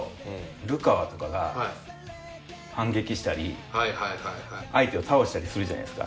流川とかが反撃したり相手を倒したりするじゃないですか。